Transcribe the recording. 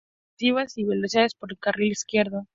Buenas dotes ofensivas y velocidad por el carril izquierdo.